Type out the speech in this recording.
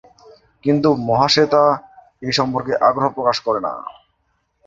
কিন্তু মহাশ্বেতা এই সম্পর্কে আগ্রহ প্রকাশ করেন না।